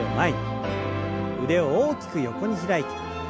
腕を大きく横に開いて。